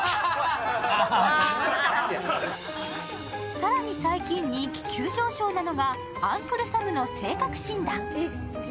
更に最近、人気急上昇なのがアンクルサムの性格診断。